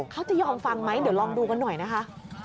เขาจะยอมฟังไหมเดี๋ยวลองดูกันหน่อยนะคะ